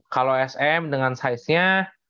kalau sm dengan size nya